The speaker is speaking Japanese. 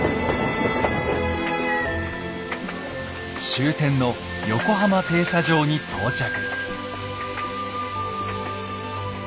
終点の横浜停車場に到着。